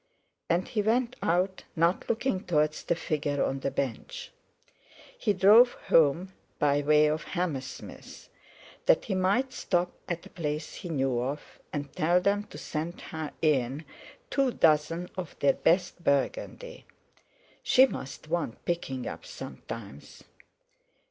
And he went out, not looking towards the figure on the bench. He drove home by way of Hammersmith; that he might stop at a place he knew of and tell them to send her in two dozen of their best Burgundy. She must want picking up sometimes!